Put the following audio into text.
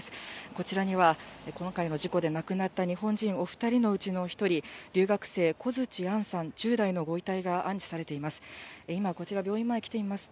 こちらには、今回の事故で亡くなった日本人お２人のうちの１人、留学生、コヅチアンさん１０代のご遺体が安置されています。